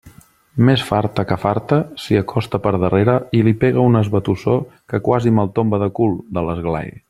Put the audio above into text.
Més farta que farta, s'hi acosta per darrere i li pega un esbatussó que quasi me'l tomba de cul, de l'esglai.